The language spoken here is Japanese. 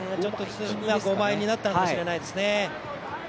５枚になったのかもしれないですね。